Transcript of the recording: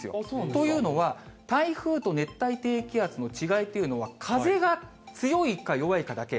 というのは、台風と熱帯低気圧の違いというのは、風が強いか弱いかだけ。